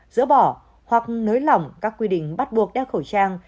dỡ bỏ hoặc nới lỏng các quy định bắt buộc đeo khẩu trang